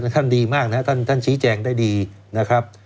ท่านดีมากนะครับท่านชี้แจงได้ดีนะครับ